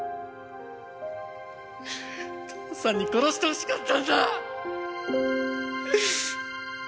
父さんに殺してほしかったんだ！